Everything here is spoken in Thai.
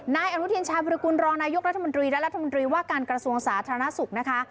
นายอนุทินชาบริกุลรองนายกรัฐมนตรีและรัฐมนตรีว่าการกระทรวงสาธารณสุขนะคะ